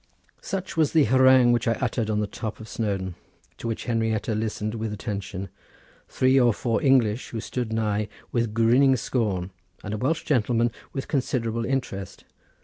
'" Such was the harangue which I uttered on the top of Snowdon; to which Henrietta listened with attention; three or four English, who stood nigh, with grinning scorn, and a Welsh gentleman with considerable interest.